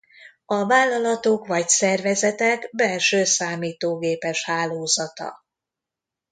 A vállalatok vagy szervezetek belső számítógépes hálózata.